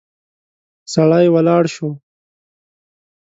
سړی ولاړ شو.